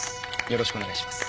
よろしくお願いします」